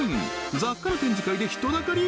雑貨の展示会で人だかり？